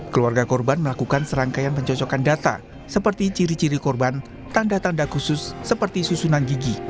keluarga korban melakukan serangkaian pencocokan data seperti ciri ciri korban tanda tanda khusus seperti susunan gigi